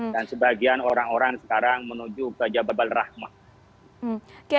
dan sebagian orang orang sekarang menuju ke jabal rahmat